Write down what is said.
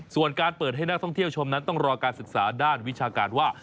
ส่วนการเปิดให้นักท่องเที่ยวชมนั้นต้องรอการศึกษาด้านวิชาการว่า